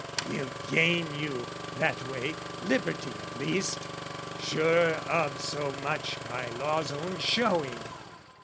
"We'll gain you, that way, liberty at least, "Sure of so much by law's own showing.